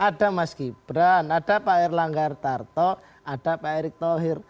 ada mas gibran ada pak erlangga ertarto ada pak erick thohir